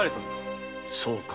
そうか。